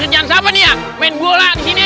kerjaan siapa nih ya main bola disini